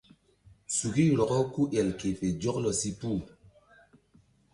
Suki rɔkɔ ku el ke fe zɔklɔ si puh.